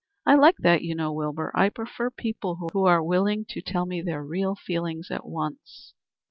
"I like that, you know, Wilbur. I prefer people who are willing to tell me their real feelings at once."